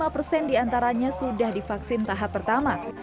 sembilan puluh lima persen diantaranya sudah divaksin tahap pertama